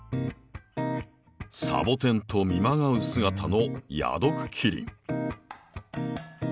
サボテンと見まがう姿の矢毒。